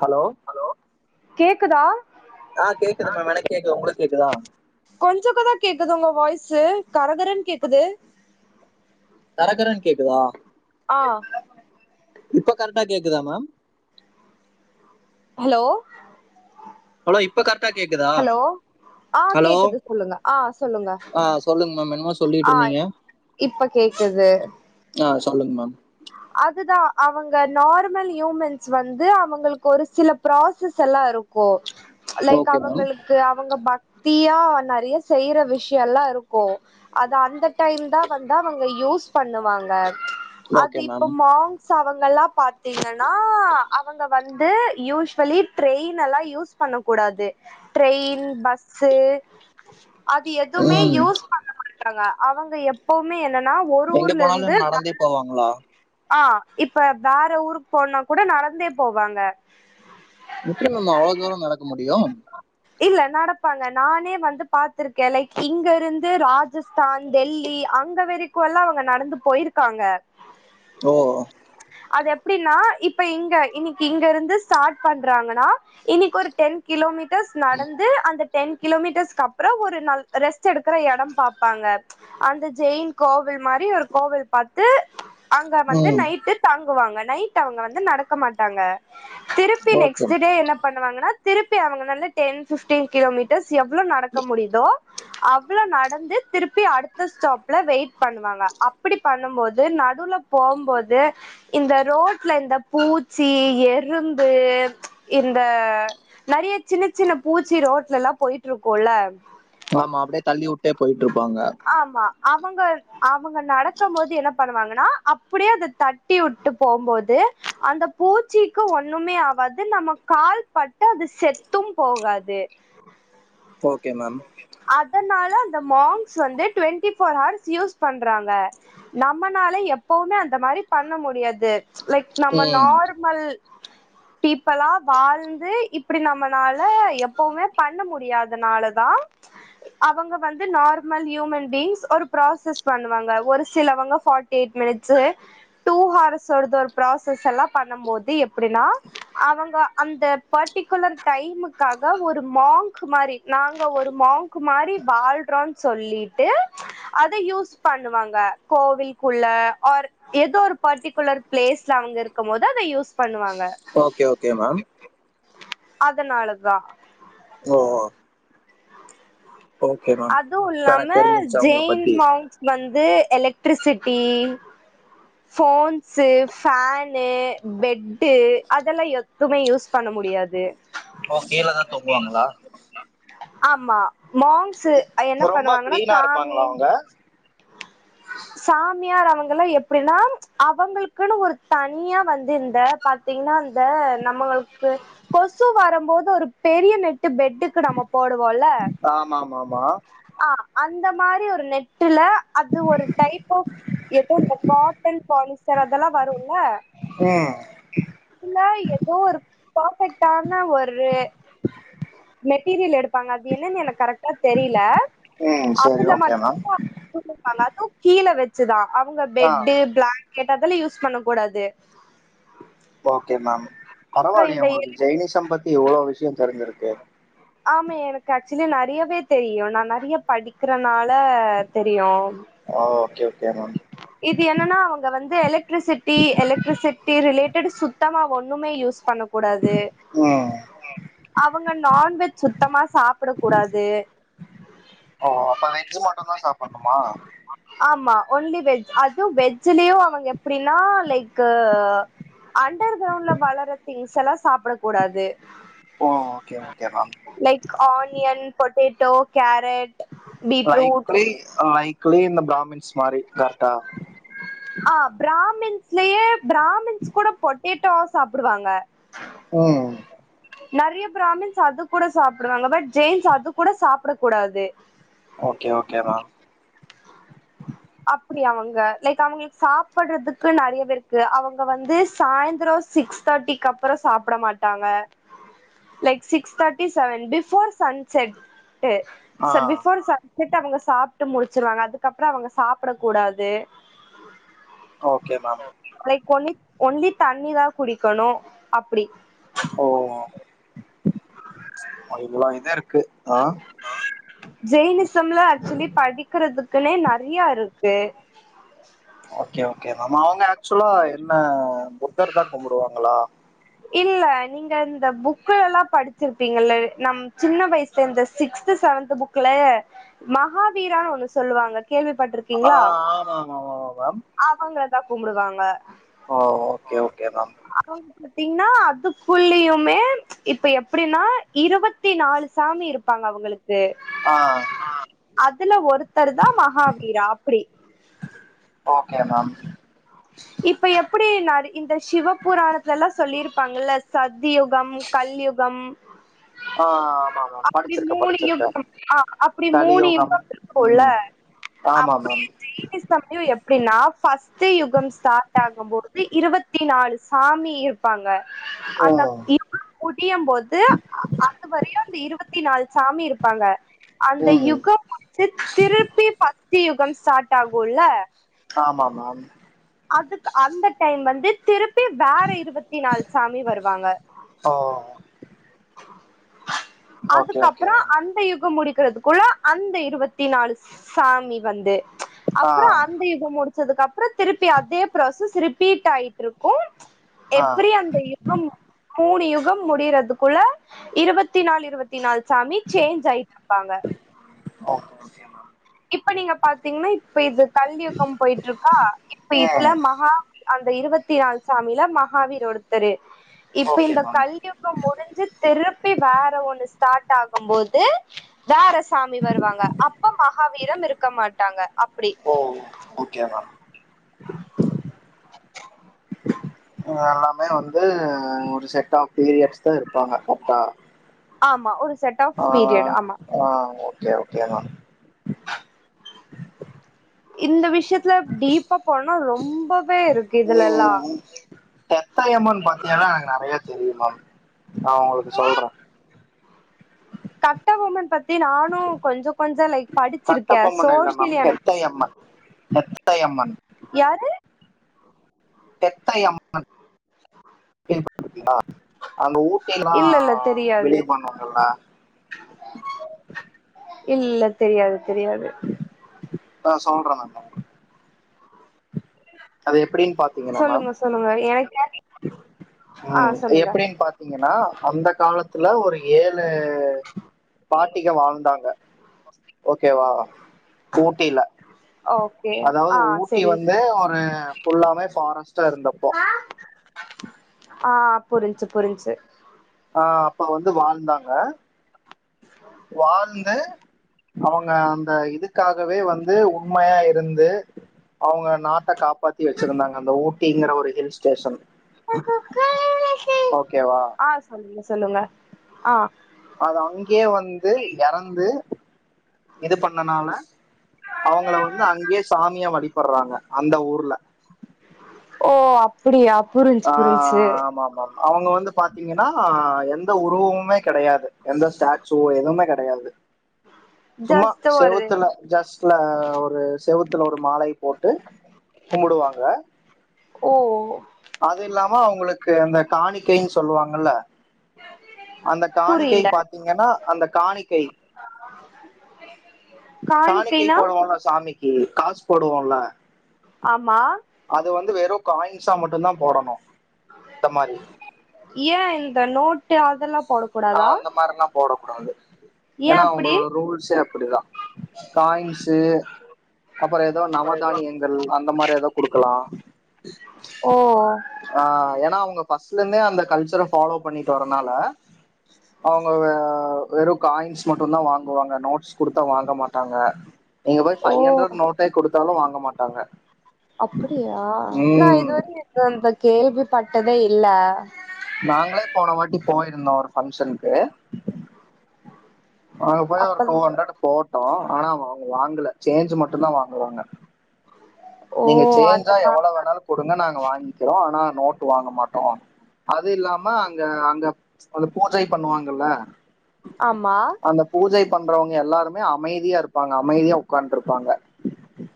Hello கேக்குதா ஆ கேக்குது மேம் எனக்கு கேக்குது உங்களுக்கு கேக்குதா கொஞ்சகதா கேக்குது உங்க வாய்ஸ் சார் கர கரன்னு கேக்குது கர கரன் கேக்குதா ஆஹ் இப்ப கரெட்டா கேக்குதா மேம் ஹலோ ஹலோ இப்ப கரெக்டா கேக்குதா ஹலோ ஆஹ் ஹலோ கேக்குது சொல்லுங்க ஆஹ் சொல்லுங்க ஆ சொல்லுங்க மேம் என்னமோ சொல்லிட்டு ஆஹ் இருந்தீங்க இப்ப கேக்குது ஆ சொல்லுங்க மேம் அதுதா அவங்க நார்மல் ஹியூமன்ஸ் வந்து அவங்களுக்கு ஒரு சில ப்ராசஸ் எல்லா இருக்கு லைக் ஓகே மேம் அவங்களுக்கு அவங்க பக் தீயா வந்து நெறையா செய்யிற விஷயம்ல்லா இருக்கு அத அந்த டைம்தா வந்து அவுங்க யூஸ் பண்ணுவாங்க ஓகே மேம் இப்போ மாஸ்க் -ச அவங்கல்லா பாத்தீங்கன் ஆஹ் அவங்க வந் வந்து யூஸ்வலி ட்ரெயின் எல்லா யூஸ் பண்ணக்கூடாது ட்ரெயின் பஸ்சு அது எதுவுமே ம் யூஸ் பண்ண [unintelligible] இருக்காங்க அவங்க எப்பவுமே என்னன் எங்க போனாலு நடந்தே போவாங்களா ஆஹ் இப்ப வேற ஊருக்கு போனா கூட நடந்தே போவாங்க எப்டி நம்ம அவளோ தூர நடக்க முடியு இல்ல நடப்பாங்க நானே வந்து பாத்திருக்கே லைக் இங்க இருந்து ராஜஸ்தா டெல்லி அங்க வெறிக்கும்லா அவங்க நடந்து போயிருக்காங்க ஓ அது எப்படின்னா இப்ப இங்க இன்னைக்கு இங்க இருந்து ஸ்டார்ட் பண்றாங்கன்னா இன்னைக்கு ஒரு டென் கிலோமீட் டர்ஸ் நடந்து அந்த டென் கிலோமீட்டர்ஸ்க்கு அப்றோ ஒரு ந ரெஸ்ட் எடுக்கிற எட பாப்பாங்க அந்த ஜெயின் கோவில் மாரி ஒரு கோவில் பாத்து அங்க வந்து ம் நைட்டு தங் க்குவாங்க நைட் அவங்க வந்து நடக்க மாட்டாங்க திருப்பி ஓகே நெக்ஸ்ட் டே என்ன பண்ணுவாங்கனா திருப்பி அவங்க வந்து டென் பிஃப்டீன் கிலோமீட்டர்ஸ் எவ்ளோ நடக்க முடியுதோ அவ்ளோ நடந்து திருப்பி அடுத்த ஸ்டாப்ல வெயிட் பண்ணுவாங்க அப்படி பண்ணும்போது நடுல போம்போது இந்த ரோட்ல இந்த பூச்சி எறும்பு இந்த நறைய சின்ன சின்ன பூச்சி ரோட்லல்லா போயிட்டு இருக்குல்ல ஆமா அப்டே தள்ளிவுட் டே போயிட்டு இருப்பாங்க ஆமா அவங்க அவங்க நடக்கம்போது என்ன பண்ணுவாங்கனா அப்டியே அத தட்டிவுட்டு போம்போது அந்தப் பூச்சுக்கு ஒண்ணுமே ஆவாது நம்ம கால் பட்டு அது செத்தும் போகாது ஓகே மேம் இந்த மாங்ஸ் வந்து டுவெண்ட்டி ஃபோர் ஹார்ஸ் யூஸ் பண்றாங்க நம்மனால எப்பவுமே அந்த மாரி பண்ண முடியாது லைக் நம்ம ம் நார்மல் பீப்பிளா வாழ்ந்து இப்டி நம்மனால எப்பவுமே பண்ண முடியாதனாலதா அவங்க வந் து நார்மல் ஹியூமன் பீயிங்ஸ் ஒரு பிராசஸ் பண்ணுவாங்க ஒரு சிலவங்க forty eight minutes two hours ஒரு இது ஒரு பிராஸஸ் எல்லா பண்ண போது எப்டினா அவங்க அந்த பர்டிகுலர் டைம்முக்காக ஒரு மாங்க் மாரி நாங்க ஒரு மாங்க் மாரி வாழ் றோனு சொல்லிட்டு அத யூஸ் பண்ணுவாங்க கோவில்குள்ள ஆர் ஏதோ ஒரு பர்ட்டிகுலர் பிளேஸ்ல அவங்க இருக்கும் போது அத யூஸ் பண்ணுவாங்க ஓகே ஓகே மேம் அதனாலதா ஓ ஓகே மேம் அதுவு இப்போ எனக்கு இல்லாம தெரிஞ்சிருச்சு அவங்கள ஜெயின் பத்தி மாங்ஸ் வந்து electricity phones, fan, bed அதெல்லா எதுமே யூஸ் பண்ண முடியாது ஓ கீழதா தூங்குவாங்களா ஆமா மாங்ஸ் ரொம்ப கிளீனா இருப்பாங்களா அவங்க சாமியார் அவங்கலா எப்படினா அவங்களுக்குன்னு ஒரு தனியா வந்து இந்த பாத்தீங்னா இந்த நம்மளுக்கு கொசு வரும்போது ஒரு பெரிய நெட்டு பெட்டுக்கு நம்ம போடு வோல ஆமா ஆமா ஆமா ஆ அது அந்த மாரி ஒரு நெட்டுல அது ஒரு டைப் ஆப் ஏதோ இந்த காட்டன் பாலிஸ்டர் அதெல்லா வரும்ல்ல ம் இதில எதோ ஒரு பர்ஃப்பெக்ட்டானா ஒரு மெட்டீரியல் எடு ப்பாங்க அது என்னன்னு எனக்கு கரெக்டா தெரில ம் சரி அதுல ஓகே மட்டு மேம் வச்சிபாங்க அதுவு கீழ வச்சுதா அவங்க ஆ பெட்டு பிளாங் கேட்டாதான்ன யூஸ் பண்ண கூடாது ஓகே மேம் அப்றோ பரவாயில்லையா இந்த எ உங்களுக்கு ஜெயினிசம் பத்தி இவ்வளவு விஷயம் தெரிஞ்சிருக்கு ஓகே ஆமா எனக்கு ஆக்சுவலி நறையவே தெரியும் நான் நிறைய படிக்கறனால தெரியும் ஓ ஓகே ஓ இப்ப என்னன்னா அவுங்க வந்து பே எலக் எலக்ட்ரிசிட்டி எலக்ட்ரிசிட்டி ரிலேடட் சுத்தமா ஒன் ண்ணுமே யூஸ் பண்ண கூடாது ம் அவுங்க நான்வெஜ் சுத்தமா சாப்பிட கூடாது ஓஹோ அப்ப வெஜ் மட்டு தான் சாப்புணும்மா ஆமா ஒன்லி வெஜ் அது வெஜ் சொல்லியும் அவுங்க எப்பிடில்லா லைக் க்க அண்டர் கிரவுண்ட்ல வளர திங்ஸ்ல்லாம் சாப்பிடக்கூடாது ஓ okay okay ma'am like onion potato carrot beetroot likely likely இந்த ப்ராமின்ஸ் மாறி கரெக்டா ல்லியே பிராமின்ஸ் கூட பொட்டே டோ சாப்பிடுவாங்க ம் நறைய பிராமின்ஸ் அது கூட சாப்பிடுவாங்க பட் ஜெயின்ஸ் அது கூட சாப்பிட கூடாது ஓகே ஓகே தா அப்பிடி அவுங்க லைக் அவுங்களுக்கு சாப்படுறதுக்கு நறையவே இருக்கு அவுங்க வந்து சாயந்திரம் சிக்ஸ் தேர்ட்டிக்கு அப்பறம் சாப்ட மாட்டாங்க like six thirty seven before sunset ட்டு ஆ ச பிஃபோர் சன் ட்டு அவுங்க சாப்ட்டு முடிச்சுடுவங்க அதுக்கப்பறம் அவுங்க சாப்பட கூடாது okay ma'am like only only தண்ணி தான் குடிக்கணும் அப்பிடி ஓ அவ்ளோ இதுஇருக்கு ஆ படிக்கறதுக்குன்னே நறையா இருக்கு ஓகே அவுங்க ஆக்சுவலா என்ன ஒருத்தர் தான் கும்பிடுவாங்களா இல்ல நீங்க இந்த புக் எல்லாம் படிச்சிருப்பீங்கல்ல நம் சின்ன வயசுல இந்த சிக்ஸ்து செவன்த் புக்ல மகாவீரான்னு ஒண்ணு சொல்லுவாங்க ஆஹ் ஆமா ஆமா ஆமா மேம் அவங்கதான் கும்பிடுவாங்க ஓ ஓகே ஓகே மேம் அவங்க பாத்தீங்கன்னா அதுக்குள்ளயுமே ச்சு இப்ப எப்படின்னா இருவத்தி நாலு சாமி இருப்பாங்க அவங்களுக்கு ஆஹ் அதுல ஒரு தருதான் மகாவீரா அப்டி ஓகே மேம் இப்ப எப்பட் எப்டி நாடு இந்த சிவபராணத்துல எல்லா சொல்லிருப்பாங்கல்ல சத்யுகம் கல்யுகம் ஆ ஆமா மேம் அப்படி படிச்சிருக்க மூணு படிச்சிருக்க யுகம் ஆஹ் அப்படி மூணு கலியோகம் யுகம் இருக்கும்ல ம் ஆமா அப்படியே மேம் ஜெய்னிஷம்லயும் எப்படின்னா ஃபஸ்ட் யுகம்ஸ் ஆகும்போது இருவத்தி நாலு சாமி இருப்பாங்க அந்த ம் [unintelligible] முடியும் போது அதுவரையு அந்த இருவத் இருவத்தி நாலு சாமி இருப்பாங்க அந்த ம் யுகம் வந் திருப்பி பாத் சுத்தி யுகம் ஸ்டார்ட் ஆகும்ல ஆமா ஆமா மேம் அதுக்கு அந்த டைம் வந்து திருப் ப்பி வேற இருவத்தி நாலு சாமி வருவாங்க ஓ ஓகே ஓகே அதுக்கப்புறோ மேம் அந்த யுகம் முடி இருக்கிறதுக்குள்ள அந்த இருபத்தி நாலு சாமி வந்து ஆ அப்புறோ அந்த யுகம் முடிஞ் முடிஞ்சதுக்கு அப்புறோ திருப்பி அதே ப்ராசஸ் ரிபீட் ஆயிட்டு இருக்கும் ஆ எப்படி அந்த யுகம் ச்சு மூணு யுகம் முடியறதுக்குள்ள இருபத்தி நாலு இருபத்தி நாலு சாமி சேஞ்ச் ஆயிட்டுருப்பாங்க ஓகே ஓகே மேம் இப்ப நீங்க பாத்தீங்கன்னா இப்ப இது கல்யுகம் போயிட்டுருக்கா இப்ப இதுல ம் மகா அந்த இருபத்தி நாலு சாமில மகாவீரரொருத்தரு இப்ப ஓகே இந்த மேம் கல்யுகம் முடிஞ்சு திருப்பி வேற ஒண்ணு ஸ்டார்ட் ஆகும்போது வேறசாமி வருவாங்க அப்ப மகாவீரன் இருக்க மாட்டாங்க அப்பிடி ஓ ஓகே மேம் எல்லாமே வந்து இது செட்டாக் த்ரீ இயர்ஸ் தா இருப்பாங்க கரெக்டா ஆமா ஒரு set of ah period ah ஆமா ஆஹ் ஓகே ஓகேங்க இந்த விஷ் விஷயத்துல டீப்பா போனா ரொம்பவே இருக்கு இதுலல்லா ம் ம். செரி மேம் நா உங்களுக்கு சொல்றே கட்டபொம்மன் பத் த்தி நானு கொஞ்சோ கொஞ்சோ லைட்டா படிச்சிருக்கே கட்டபொம்மன் சோசியல் எனக் பெத்தையம்மன் யாரு பெத்தையம்மன் கேள்விப்பட்டிருக்கீங்களா அங்க ஊட்டில இல்ல இல்ல தெரியாது வெளியவு பண்ணுவாங்கல்ல இல்ல தெரியாது தெரியாது ஆஹ் சொல்றே நாங்க அதே சொல்லுங்க சொல்லுங்க எனக்கு ஆ உம் சொல்லுங்க எப்டின்னு பாத்தீங்கன்னா அந்த காலத் துல ஒரு ஏழுத் அ பாட்டிக வாழ்ந்தாங்க ஓகேவா ஊட்டில ஓகே அதாவது ஆ ஊட்டி செரி வந்து ஒரு ஃபுல்லாமே ஃபாரஸ்ட் ட்டா இருந்தப்போ ஆ புரிஞ்சு புரிஞ்சு ஆ அப்ப வந்து வாழ்ந்தாங்க வாழ்ந்து அவுங்க அந்த இது க்காகவே வந்து உண்மையா இருந்து அவுங்க நாட்ட காப் பத்தி வச்சிருந்தாங்க அந்த ஊர் தீங்கட ஒரு ஹில் ஸ்டேஷன் ஓகேவா ஆ சொல்லுங்க சொல்லுங்க ஆ அது அங்கேயே வந்து இறந்து இது பண்ணனால அவுங்கள வந்து அங்கேயே சாமியா வழிபடறாங்க அந்த ஊர்ல ஓ அப்பிடியா புரிஞ்சுச்சு புரிஞ்சுச்சு அவுங்க வந்து பாத்தீங்கன்னா எந்த உருவமுமே கெடையாது எந்த ஸ்டாச்சுவோ எதுமே கெடையாது சும்மா ஜஸ்ட் ஒரு செவுத்துல ஜஸ்ட்ல ஒரு செவுத்துல ஒரு மாலை போட்டு கும்பிடுவாங்க ஓ அது இல்லாம அவுங்குளுக்கு அந்த காணிக்கைனு சொல்லுவாங்கல அந்த காணிக்கை புரில பாத்தீங்கன்னா அந்த காணிக்கை காணிக்கை காணிக்கைனா போடுவோல சாமிக்கு காசு போடுவோல்ல ஆமா அது வந்து வெறு காயின்ஸா மட்டுந் தான் போடணு ஏ இந்த நோட் டு அதெல்லா ஆ போடக்கூடாதா அந்த மாரில்லாம் போடக் கூடாது ஏ ஏனா அப்டி அவுங்களோட ரூல்ஸ்ஸே அப் அப்பிடி தா காயின்ஸு அப்றோ ஏதோ நவ தானியங்கள் அந்த மாரி ஏதோ குடுக்கலா ஓ ஆ ஏனா அவுங்க ஃபர்ஸ்ட்ல இருந்தே அந்த கல்ச்சர ஃபாலோ பண்ணிட்டு வரனால அவுங்க வெறும் காயின்ஸ் மட்டுந் தா வாங்குவாங்க நோட்ஸ் குடுத்த வாங்க மாட்டாங்க நீங்க போய் ஓ பைவ்ஹண்ரட் நோட்டே குடுத் தாலு வாங்க மாட்டாங்க அப்படியா நா ம் இதுவரைக்கும் இந்த கேள்விப்பட்டதே இல்ல அ போயிருந்தோ ஒரு பங்க்ஷனுக்கு அங்க போய் ஒரு அப்ப டூ ஹண்ட்ரட் போட்டோ ஆன அவுங்க வாங்குல சேஞ்சு மட்டுந்தா வாங்குவாங்க ஓ நீங்க சேஞ்சா அதா எவ்வளவு வேணாலு குடுங்க நாங் க வாங்கிக்கிறோ ஆனா நோட்டு வாங்க மாட்டோ அது இல்லாம அங்க அங்க அ ச்சு பூஜை பண்ணுவாங்கல்ல ஆமா அந்த பூஜை பண்றவங்க எல்லாருமே அமைதியா இருப்பாங்க அமைதியா உக்கான்ட் இருப்பாங்க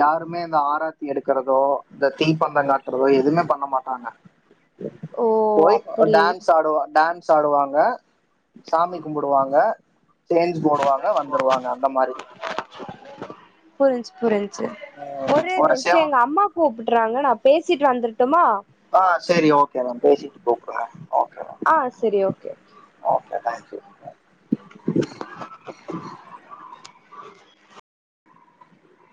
யாருமே இந்த ஆரா த்தி எடுக்கிறதோ இந்த தீப்பந்த காட்டறதோ எதுமே பண்ண மாட்டாங்க ஓ போய் அப்டி டான்ஸ் ஆடுவா டான்ஸ் சாப்டுவாங்க சாமி கும்புடுவாங்க சேஞ்ச் போடுவாங்க வந்துருவாங்க அந்த மாரி புரிய் சு ஒரே நிம்ஷம் எங்க அம்மா கூப்பிடுறாங்க நா பேச ச்சிட்டு வந்துரட்டுமா ஆஹ் சரி ஓகே மேம் பேசிட்டு கூப்டுங்க ஆஹ் சரி ஓகே ஓகே தேங்க்யூ [inaudible]